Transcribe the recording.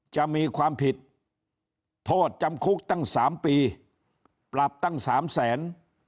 จะมีความผิดโทษจำคุกตั้ง๓ปีปรับตั้ง๓แสน